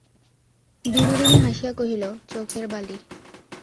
বিনোদিনী হাসিয়া কহিল, চোখের বালি।